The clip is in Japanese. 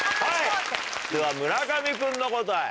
では村上君の答え。